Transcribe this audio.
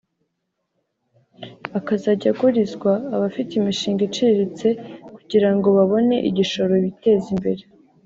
akazajya agurizwa abafite imishinga iciriritse kugira ngo babone igishoro biteze imbere